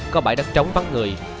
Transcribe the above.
có bãi đất trống bắt người